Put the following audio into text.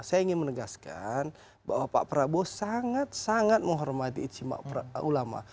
saya ingin menegaskan bahwa pak prabowo sangat sangat menghormati ijtima ulama